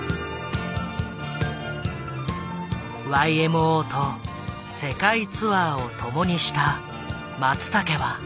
ＹＭＯと世界ツアーをともにした松武は。